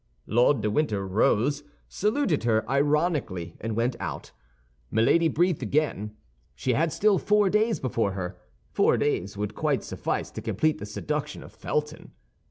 Lord de Winter rose, saluted her ironically, and went out. Milady breathed again. She had still four days before her. Four days would quite suffice to complete the seduction of Felton.